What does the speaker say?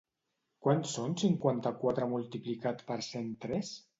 Quant son cinquanta-quatre multiplicat per cent tres?